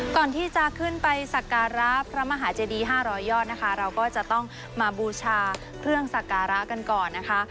ก่อนที่จะขึ้นไปสักการะพระมหาเจดี๕๐๐ยอดนะคะเราก็จะต้องมาบูชาเครื่องสักการะกันก่อนนะคะ